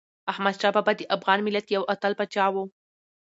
احمدشاه بابا د افغان ملت یو اتل پاچا و.